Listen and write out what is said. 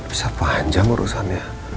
bisa panjang urusannya